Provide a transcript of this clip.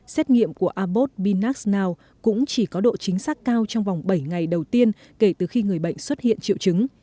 xét nghiệm của abbott pinac nau cũng chỉ có độ chính xác cao trong vòng bảy ngày đầu tiên kể từ khi người bệnh xuất hiện triệu chứng